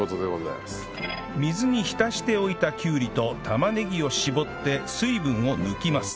水に浸しておいたきゅうりと玉ねぎを絞って水分を抜きます